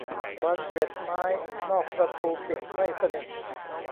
บานเกล็ดไม้นอกประตูปิดไม่สนิท